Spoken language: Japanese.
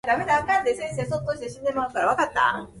ここにタイトルを入力してください。